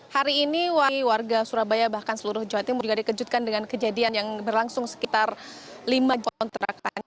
hari ini warga surabaya bahkan seluruh jawa timur juga dikejutkan dengan kejadian yang berlangsung sekitar lima kontrakan